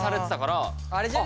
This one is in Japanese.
あれじゃね？